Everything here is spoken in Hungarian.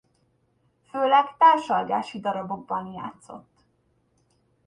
Főleg társalgási darabokban játszott.